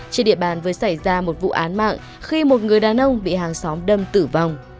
trên địa bàn vừa xảy ra một vụ án mạng khi một người đàn ông bị hàng xóm đâm tử vong